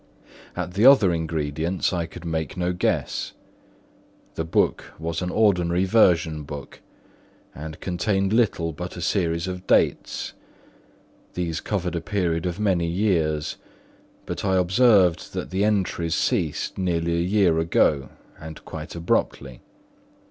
At the other ingredients I could make no guess. The book was an ordinary version book and contained little but a series of dates. These covered a period of many years, but I observed that the entries ceased nearly a year ago and quite abruptly.